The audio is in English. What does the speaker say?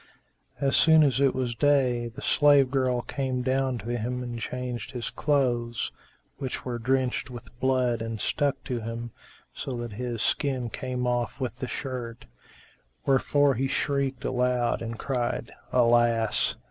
As soon as it was day, the slave girl came down to him and changed his clothes, which were drenched with blood and stuck to him, so that his skin came off with the shirt; wherefor he shrieked aloud and cried, "Alas!"